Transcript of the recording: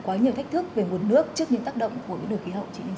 có nhiều thách thức về nguồn nước trước những tác động của những nửa khí hậu